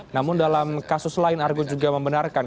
namun dalam kasus lain argo juga membenarkan